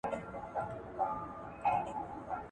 که دی وغواړي نو دا پوله به ماته کړي.